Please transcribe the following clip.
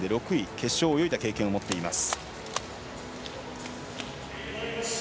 決勝を泳いだ経験を持っています。